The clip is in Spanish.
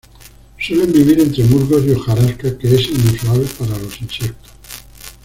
Suelen vivir entre musgos y hojarasca que es inusual para los insectos.